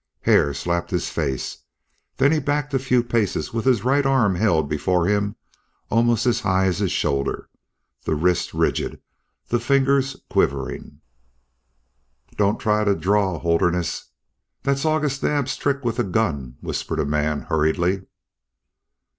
Hare slapped his face. Then he backed a few paces with his right arm held before him almost as high as his shoulder, the wrist rigid, the fingers quivering. "Don't try to draw, Holderness. Thet's August Naab's trick with a gun," whispered a man, hurriedly.